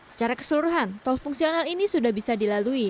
secara keseluruhan tol fungsional ini sudah bisa dilalui